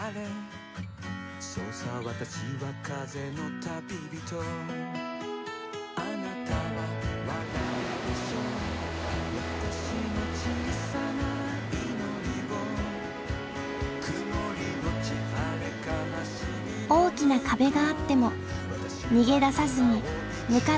大きな壁があっても逃げ出さずに向かっていく姿。